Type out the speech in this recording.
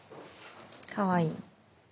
かわいい。